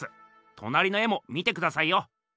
となりの絵も見てくださいよ。